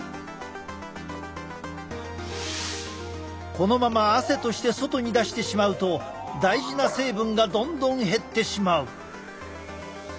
このまま汗として外に出してしまうと大事な成分がどんどん減ってしまう。